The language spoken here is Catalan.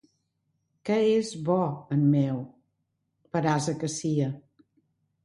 Que és bo en Meu, per ase que sia!